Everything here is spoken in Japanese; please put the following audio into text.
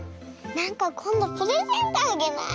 なんかこんどプレゼントあげない？